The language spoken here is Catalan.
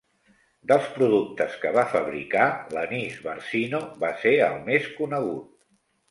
Dels productes que va fabricar, l’Anís Barcino va ser el més conegut.